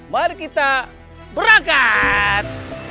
mari kita berangkat